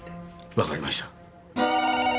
わかりました。